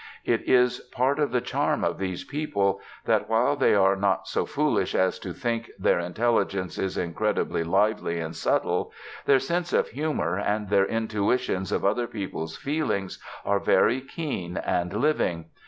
It is part of the charm of these people that, while they are not so foolish as to 'think,' their intelligence is incredibly lively and subtle, their sense of humour and their intuitions of other people's feelings are very keen and living.